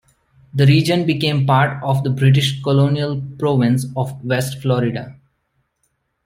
The region became part of the British colonial province of West Florida.